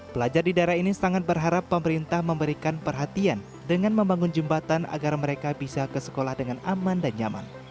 pelajar di daerah ini sangat berharap pemerintah memberikan perhatian dengan membangun jembatan agar mereka bisa ke sekolah dengan aman dan nyaman